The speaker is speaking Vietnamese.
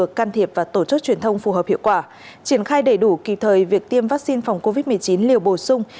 được can thiệp và tổ chức truyền thông phù hợp hiệu quả triển khai đầy đủ kịp thời việc tiêm vắc xin phòng covid một mươi chín liều bổ sung